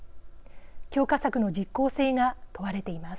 強化策の実効性が問われています。